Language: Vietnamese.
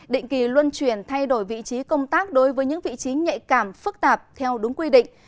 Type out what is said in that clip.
định kỳ luân chuyển thay đổi vị trí công tác đối với những vị trí nhạy cảm phức tạp theo đúng quy định